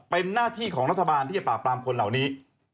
เป็นหน้าที่ของรัฐบาลที่จะปราบปรามคนเหล่านี้